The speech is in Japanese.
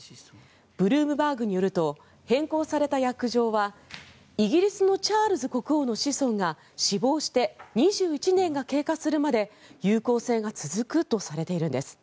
ブルームバーグによると変更された約定はイギリスのチャールズ国王の子孫が死亡して２１年が経過するまで有効性が続くとされているんです。